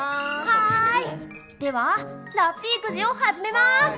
はーいでは、ラッピーくじを始めます。